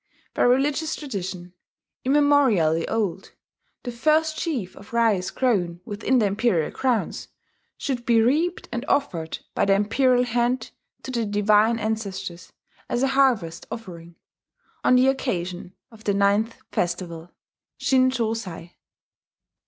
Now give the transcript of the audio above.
By religious tradition, immemorially old, the first sheaf of rice grown within the imperial grounds should be reaped and offered by the imperial hand to the divine ancestors as a harvest offering, on the occasion of the Ninth Festival, Shin Sho Sai.